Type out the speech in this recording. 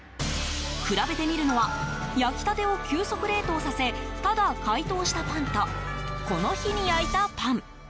比べてみるのは焼きたてを急速冷凍させただ解凍したパンとこの日に焼いたパン。